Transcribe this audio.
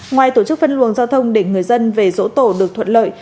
ngoài tổ chức phân luồng giao thông để người dân về dỗ tổ được thuận lợi